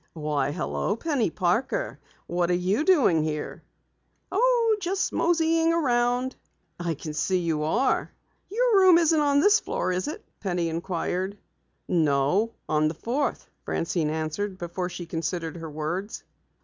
"Why, hello, Penny Parker. What are you doing here?" "Oh, just moseying around." "I can see you are!" "Your room isn't on this floor, is it?" Penny inquired. "No, on the fourth," Francine answered before she considered her words.